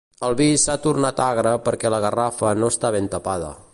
El vi s'ha tornat agre perquè la garrafa no està ben tapada.